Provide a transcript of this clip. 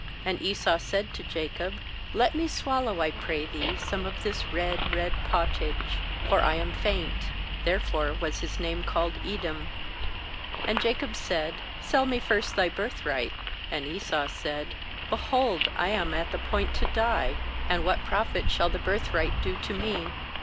30And Esau said to Jacob: 'Let me swallow, I pray thee, some of this red, red pottage; for I am faint.' Therefore was Ms name called aEdom. 31And Jacob said: 'Sell me first thy birth right.' ^And Esau said: 'Behold, I am at the point to die; and what profit shall the birthright do to me?'